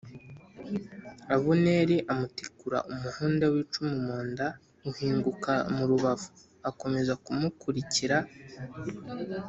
Abuneri amutikura umuhunda w’icumu mu nda uhinguka mu rubavu akomeza kumukurikira